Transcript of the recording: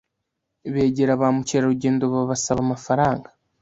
Begera ba mukerarugendo babasaba amafaranga.